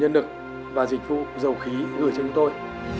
nhân lực và dịch vụ dầu khí gửi cho chúng tôi